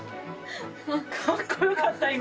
かっこよかった今。